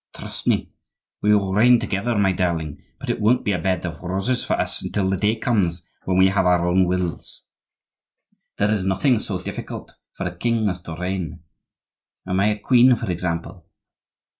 Trust me! we will reign together, my darling; but it won't be a bed of roses for us until the day comes when we have our own wills. There is nothing so difficult for a king as to reign. Am I a queen, for example?